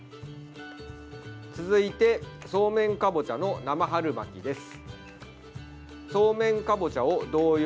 続いてそうめんかぼちゃの生春巻きです。